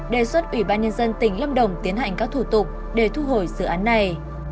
đề xuất ủy ban nhân dân tỉnh lâm đồng tiến hành các thủ tục để thu hồi dự án này